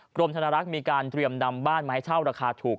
กรมธนรักษ์มีการเตรียมนำบ้านมาให้เช่าราคาถูก